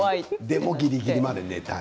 でもぎりぎりまで寝たい。